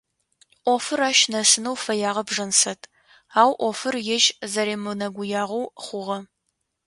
Ӏофыр ащ нэсынэу фэягъэп Жансэт, ау ӏофыр ежь зэремынэгуягъэу хъугъэ.